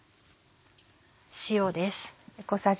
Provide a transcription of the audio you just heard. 塩です。